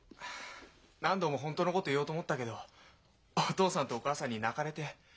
何度も本当のこと言おうと思ったけどお父さんとお母さんに泣かれて。